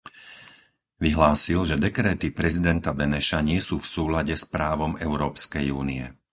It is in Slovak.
Vyhlásil, že dekréty prezidenta Beneša nie sú v súlade s právom Európskej únie.